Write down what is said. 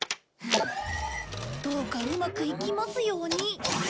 どうかうまくいきますように。